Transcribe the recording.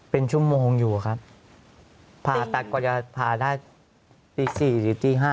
เป็นชั่วโมงอยู่ครับผ่าตัดกว่าจะผ่าได้ตี๔หรือตี๕